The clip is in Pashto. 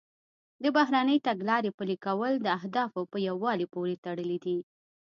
د بهرنۍ تګلارې پلي کول د اهدافو په یووالي پورې تړلي دي